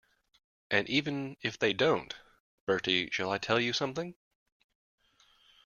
And even if they don't — Bertie, shall I tell you something?